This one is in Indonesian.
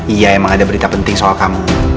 iya emang ada berita penting soal kamu